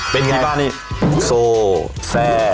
เป็นที่บ้านนี้โซแซ่